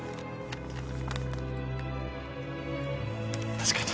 確かに。